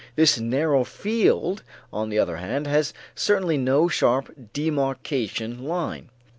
This narrow field on the other hand has certainly no sharp demarcation line.